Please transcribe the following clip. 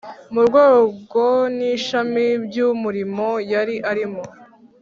mu rwego n’ishami by’umurimo yari arimo.